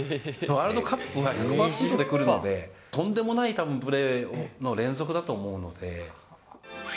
ワールドカップは１００％でくるので、とんでもない、たぶんプレーの連続だと思うので。